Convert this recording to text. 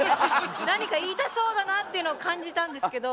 何か言いたそうだなっていうのを感じたんですけど。